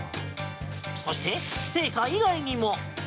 そして、青果以外にも。